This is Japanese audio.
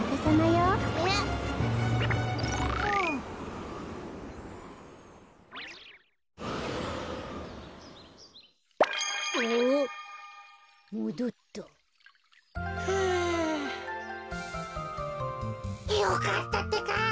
よかったってか。